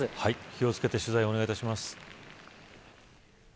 気を付けて取材をお願いします。